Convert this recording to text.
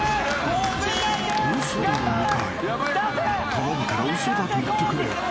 ［頼むから嘘だと言ってくれ］